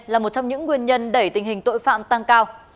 là một trong những nguyên nhân đẩy tình hình tội phạm tăng cao